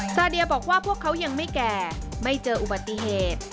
ซาเดียบอกว่าพวกเขายังไม่แก่ไม่เจออุบัติเหตุ